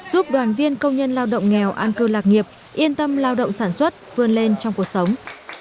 giúp đoàn viên công nhân lao động nghèo an cư lạc nghiệp yên tâm lao động sản xuất vươn lên trong cuộc sống